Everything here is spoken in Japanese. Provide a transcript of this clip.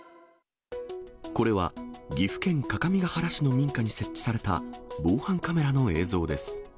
これは、岐阜県各務原市の民家に設置された防犯カメラの映像です。